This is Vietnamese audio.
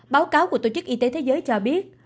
báo cáo của tổ chức y tế thế giới cho biết